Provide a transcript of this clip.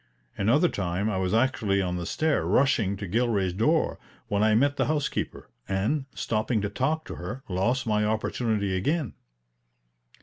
Another time I was actually on the stair rushing to Gilray's door, when I met the housekeeper, and, stopping to talk to her, lost my opportunity again.